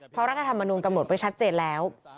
เพราะรัฐธรรมนุนกำหนดไว้ชัดเจนแล้ว